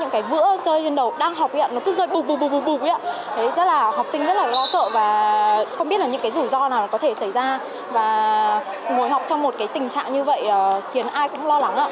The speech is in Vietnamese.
khiến ai cũng lo lắng